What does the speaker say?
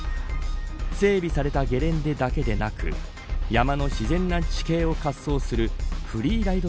整備されたゲレンデだけでなく山の自然な地形を滑走するフリーライド